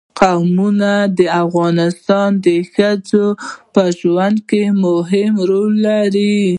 قومونه د افغان ښځو په ژوند کې هم یو رول لري.